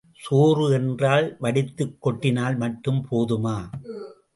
சோறு என்றால் வடித்துக் கொட்டினால் மட்டும் போதுமா!